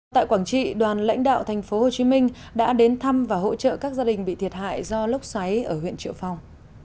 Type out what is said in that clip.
tại quảng trị đoàn lãnh đạo tp hcm đã đến thăm và hỗ trợ các gia đình bị thiệt hại do lốc xoáy ở huyện triệu phong